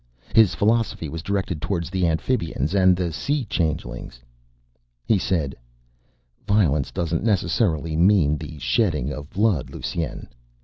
His philosophy was directed towards the Amphibians and the Sea changelings. He said, "Violence doesn't necessarily mean the shedding of blood, Lusine.